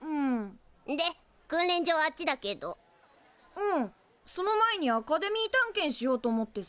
うんその前にアカデミー探検しようと思ってさ。